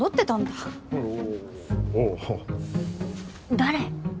誰？